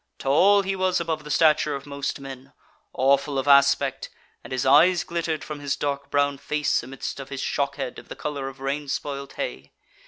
Tall he was above the stature of most men; awful of aspect, and his eyes glittered from his dark brown face amidst of his shockhead of the colour of rain spoilt hay.